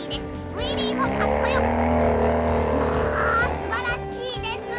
すばらしいですね！